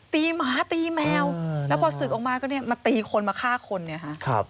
หมาตีแมวแล้วพอศึกออกมาก็เนี่ยมาตีคนมาฆ่าคนเนี่ยค่ะ